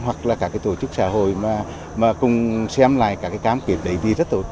hoặc là các tổ chức xã hội mà cùng xem lại các cám kiểm đấy thì rất tốt